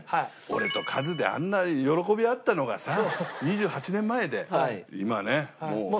俺とカズであんなに喜び合ったのがさ２８年前で今ねもう。